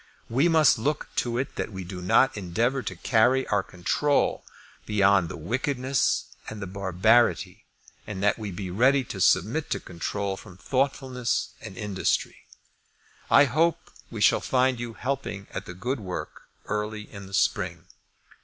We must look to it that we do not endeavour to carry our control beyond the wickedness and the barbarity, and that we be ready to submit to control from thoughtfulness and industry. I hope we shall find you helping at the good work early in the spring.